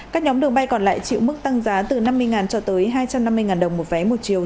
các nhóm đường bay còn lại chịu mức tăng giá từ năm mươi cho tới hai trăm năm mươi đồng một vé một chiều